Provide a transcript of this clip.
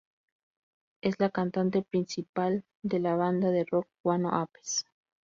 Es la cantante principal de la banda de rock Guano Apes.